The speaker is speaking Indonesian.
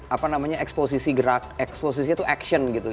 apa namanya eksposisi gerak eksposisi itu action gitu